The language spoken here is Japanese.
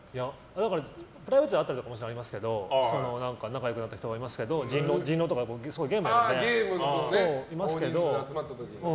プライベートで会ったことはもちろんありますけど仲良くなったりありますけど人狼とかゲームをやるので、いますけど。